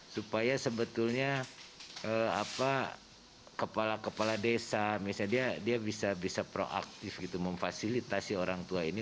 supaya sebetulnya kepala kepala desa bisa proaktif memfasilitasi orang tua ini